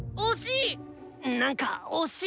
惜しい！